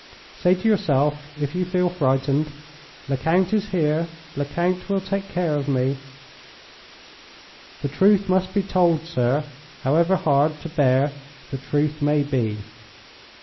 Say to yourself, if you feel frightened, 'Lecount is here; Lecount will take care of me.' The truth must be told, sir, however hard to bear the truth may be.